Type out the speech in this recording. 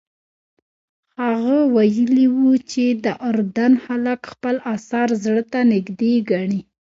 هغه ویلي وو چې د اردن خلک خپل اثار زړه ته نږدې ګڼي.